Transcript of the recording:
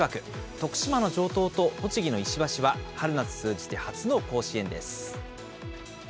徳島の城東と栃木の石橋は、春夏通じて初の甲子園です。